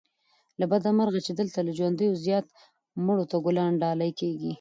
له بده مرغه چې دلته له ژوندیو زيات مړو ته ګلان ډالې کېږي